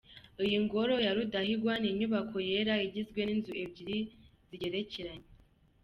Iyi ngoro ya Rudahigwa ni inyubako yera, igizwe n’inzu ebyiri zigerekeranye.